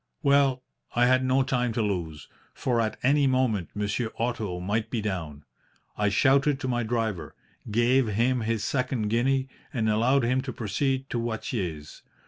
"Well, I had no time to lose, for at any moment Monsieur Otto might be down. I shouted to my driver, gave him his second guinea, and allowed him to proceed to Watier's.